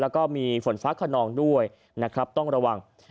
และมีฝนฟ้าขนองด้วยต้องระวัง